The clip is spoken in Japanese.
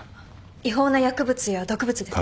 違法な薬物や毒物ですね。